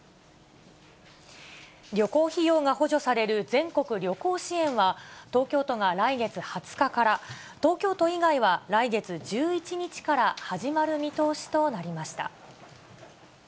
旅行費用が補助される全国旅行支援は、東京都が来月２０日から、東京都以外は来月１１日から始まる見通しとなりました。